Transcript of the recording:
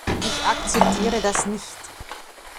Ich akzeptiere das nicht.